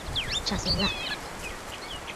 Tsyàsə̀ ghâ.